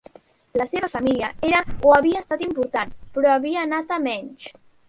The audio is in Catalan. La seva família era o havia estat important, però havia anat a menys.